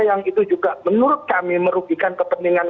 yang itu juga menurut kami merugikan kepentingan